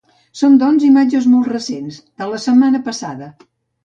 Són doncs, imatges molt recents, de la setmana passada.